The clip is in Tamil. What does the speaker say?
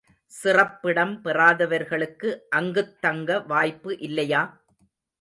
சிறப்பிடம் பெறாதவர்களுக்கு அங்குத் தங்க வாய்ப்பு இல்லையா?